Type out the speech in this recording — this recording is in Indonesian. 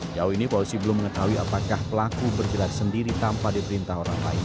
jauh ini polisi belum mengetahui apakah pelaku bergerak sendiri tanpa diperintah orang lain